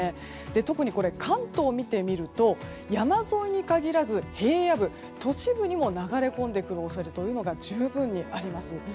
特に関東を見てみると山沿いに限らず平野部、都市部にも流れ込んでくる恐れというのが十分にあります。